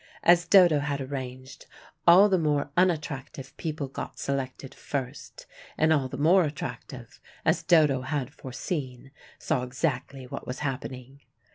As Dodo had arranged, all the more unattractive people got selected first, and all the more attractive, as Dodo had foreseen, saw exactly what was happening.